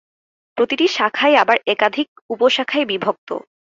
প্রতিটি শাখাই আবার একাধিক উপশাখায় বিভক্ত।